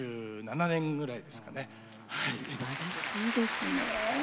すばらしいですねえ。